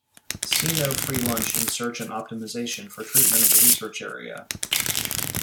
See No free lunch in search and optimization for treatment of the research area.